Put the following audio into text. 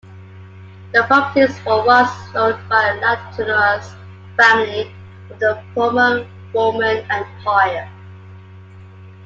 The properties were once owned by the Lateranus family of the former Roman Empire.